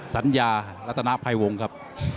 สัญญารัตนภัยวงครับ